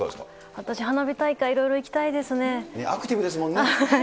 私、花火大会、いろいろ行きアクティブですもんね。